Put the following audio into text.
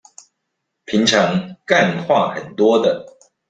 平常幹話很多的